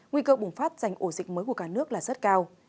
nguy cơ bùng phát thành ổ dịch mới của cả nước là rất cao